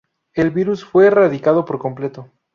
El virus fue erradicado por completo.